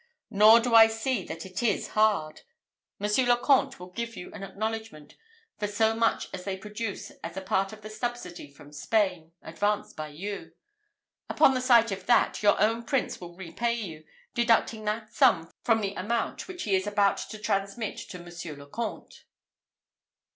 Nor do I see that it is hard. Monsieur le Comte will give you an acknowledgment for so much as they produce, as a part of the subsidy from Spain, advanced by you. Upon the sight of that, your own Prince will repay you, deducting that sum from the amount which he is about to transmit to Monsieur le Comte."